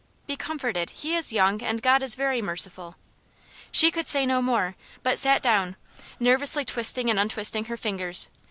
"Be comforted. He is young, and God is very merciful." She could say no more, but sat down, nervously twisting and untwisting her fingers.